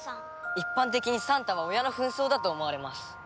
一般的にサンタは親の扮装だと思われます。